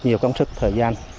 nhiều công sức thời gian